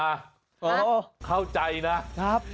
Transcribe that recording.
โอ้โหเข้าใจนะครับ